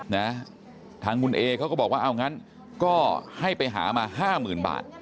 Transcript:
นะทางคุณเอเขาก็บอกว่าเอางั้นก็ให้ไปหามาห้าหมื่นบาท